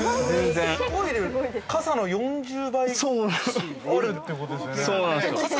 ◆傘の４０倍すごいってことですよね。